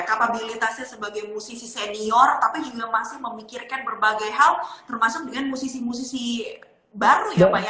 kapabilitasnya sebagai musisi senior tapi juga masih memikirkan berbagai hal termasuk dengan musisi musisi baru ya pak ya